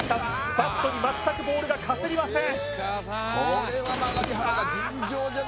バットに全くボールがかすりません